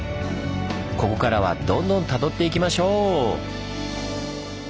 ここからはどんどんたどっていきましょう！